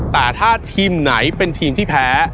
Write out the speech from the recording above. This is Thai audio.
แต่ถ้าทีมไหนเป็นทีมที่แพ้